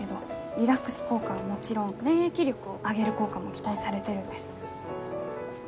リラックス効果はもちろん免疫力を上げる効果も期待されてるんです。